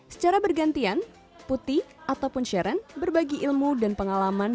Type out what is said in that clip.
secara bergantian putih ataupun sharon berbagi ilmu dan pengalaman